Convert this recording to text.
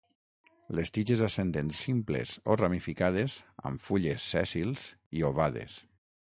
Les tiges ascendents simples o ramificades amb fulles sèssils i ovades.